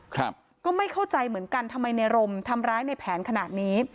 ก็ไม่เข้าใจเหมือนกันทำไมในรมทำร้ายในแผนขนาดนี้